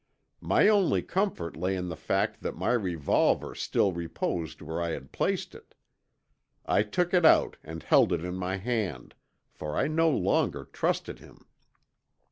My only comfort lay in the fact that my revolver still reposed where I had placed it. I took it out and held it in my hand, for I no longer trusted him.